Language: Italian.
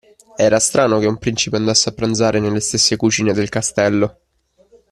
Era strano che un principe andasse a pranzare nelle stesse cucine del castello.